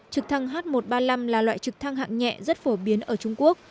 trực thăng h một trăm ba mươi năm là loại trực thăng hạng nhẹ rất phổ biến ở trung quốc